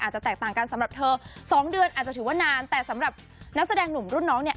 จะแตกต่างกันสำหรับเธอสองเดือนอาจจะถือว่านานแต่สำหรับนักแสดงหนุ่มรุ่นน้องเนี่ย